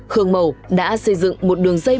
khương mẩu đã xây dựng một đường dây